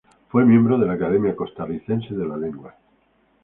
Fue miembro de la Academia Costarricense de la Lengua.